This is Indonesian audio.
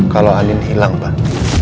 kalau andin hilang pak